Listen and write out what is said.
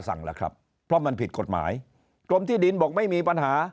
ล่ะครับเพราะมันผิดกฎหมายกรมที่ดินบอกไม่มีปัญหา